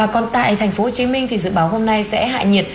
còn tại thành phố hồ chí minh thì dự báo hôm nay sẽ hạ nhiệt